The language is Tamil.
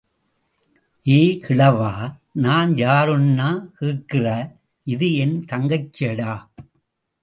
ஏ கிழவா, நான் யாருன்னா கேக்கிற?... இது என் தங்கச்சிடா!..